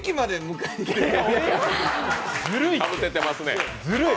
かぶせてますね。